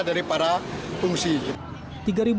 dari para pengungsi